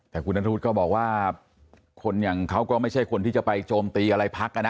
แต่คุณนัทธวุฒิก็บอกว่าคนอย่างเขาก็ไม่ใช่คนที่จะไปโจมตีอะไรพักนะ